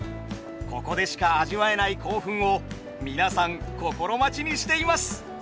ここでしか味わえない興奮を皆さん心待ちにしています。